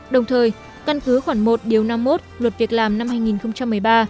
đồng thời căn cứ khoảng một điều năm mươi một luật việc làm năm hai nghìn một mươi ba